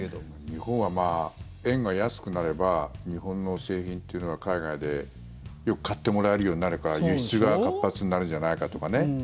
日本は、円が安くなれば日本の製品というのは海外でよく買ってもらえるようになるから輸出が活発になるんじゃないかとかね。